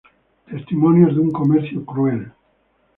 Testimonios de un comercio cruel".